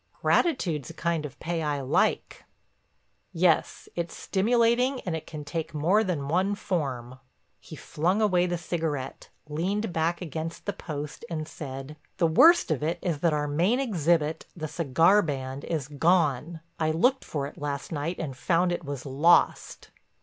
"Gratitude's a kind of pay I like." "Yes—it's stimulating and it can take more than one form." He flung away the cigarette, leaned back against the post and said: "The worst of it is that our main exhibit, the cigar band, is gone. I looked for it last night and found it was lost."